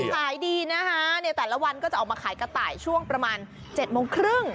ขายดีนะคะในแต่ละวันก็จะออกมาขายกระต่ายช่วงประมาณ๗โมงครึ่ง